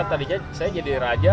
tadi saya jadi raja